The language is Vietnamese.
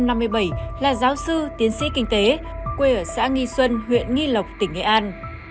năm một nghìn chín trăm năm mươi bảy là giáo sư tiến sĩ kinh tế quê ở xã nghi xuân huyện nghi lộc tỉnh nghệ an